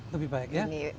lebih baik ya